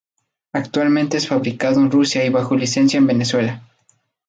Actualmente es fabricado en Rusia y bajo licencia en Venezuela.